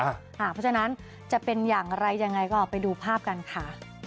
เพราะฉะนั้นจะเป็นอย่างไรยังไงก็ไปดูภาพกันค่ะ